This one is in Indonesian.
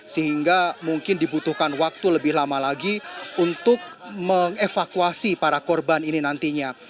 sehingga mungkin dibutuhkan waktu lebih lama lagi untuk mengevakuasi para korban ini nantinya